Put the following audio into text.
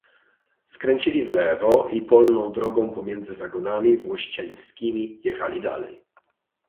"Skręcili w lewo, i polną drogą, pomiędzy zagonami włościańskimi, jechali dalej."